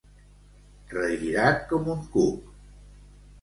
Regirat com un cuc.